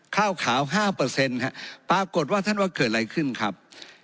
ข้าวขาว๕ปรากฏว่าท่านว่าเกิดอะไรขึ้นครับ